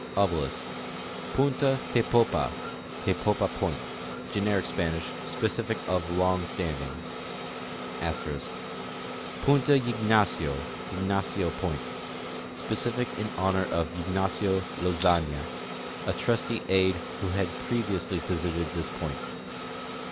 t Punta Tepopa (Tepopa point) : Generic Spanish, specific of long stand ing. * Punta Ygnacio (Ygnacio point) : Specific in honor of Ygnacio Lozania, a trusty aid who had previously visited this point.